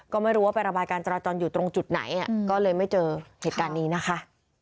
ก็ไม่รู้ว่าไประบายการจราจรอยู่ตรงจุดไหนก็เลยไม่เจอเหตุการณ์นี้นะคะ